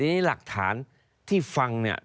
ทีนี้แหลกฐานที่ฟัง